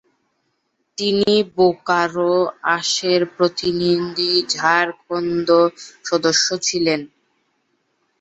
তিনি বোকারো আসনের প্রতিনিধিত্বকারী ঝাড়খণ্ড বিধানসভার সদস্য ছিলেন।